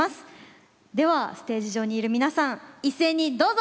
ではステージ上にいる皆さん一斉にどうぞ！